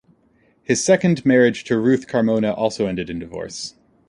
His second marriage to Ruth Carmona also ended in divorce.